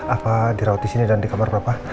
apa dirawat di sini dan di kamar berapa